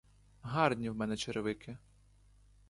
Гарні в мене черевики!